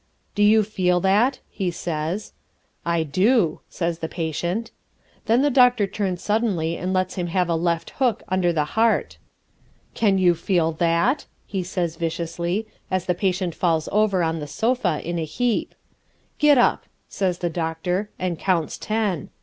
"Do you feel that," he says. "I do," says the patient. Then the doctor turns suddenly and lets him have a left hook under the heart. "Can you feel that," he says viciously, as the patient falls over on the sofa in a heap. "Get up," says the doctor, and counts ten.